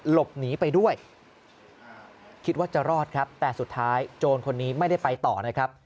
หลบหนีไปด้วยคิดว่าจะรอดครับแต่สุดท้ายโจรคนนี้ไม่ได้ไปต่อนะครับ